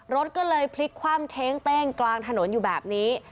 รถก็เลยพลิกคว่ำเท้งเต้งกลางถนนอยู่แบบนี้